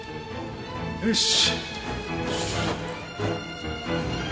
よし。